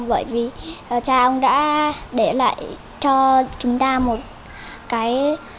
bởi vì cha ông đã để lại cho chúng ta một cái